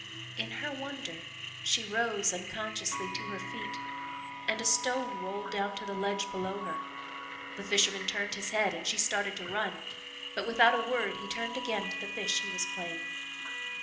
In her wonder, she rose unconsciously to her feet and a stone rolled down to the ledge below her. The fisherman turned his head and she started to run, but without a word he turned again to the fish he was playing.